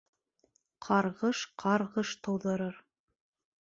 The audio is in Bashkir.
Ҡарғыш ҡарғыш тыуҙырыр.